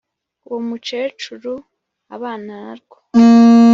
” uwo mukecuru abana narwo,